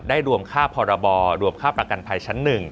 รวมค่าพรบรวมค่าประกันภัยชั้น๑